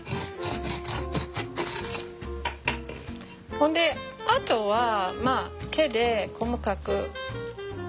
ほんであとはまあ手で細かく入れたらいい。